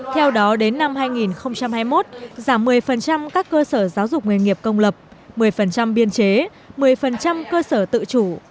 theo đó đến năm hai nghìn hai mươi một giảm một mươi các cơ sở giáo dục nghề nghiệp công lập một mươi biên chế một mươi cơ sở tự chủ